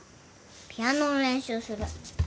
ピアノの練習する。